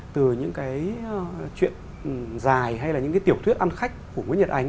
từ những chuyện dài hay là những tiểu thuyết ăn khách của nguyễn nhật ánh